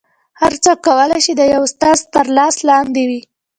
هر څوک کولی شي د یو استاد تر لاس لاندې وي